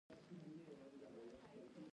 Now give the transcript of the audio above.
د هوډ لپاره فکر اړین دی